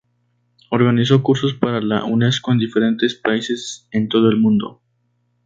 Organizó cursos para la Unesco en diferentes países en todo el mundo.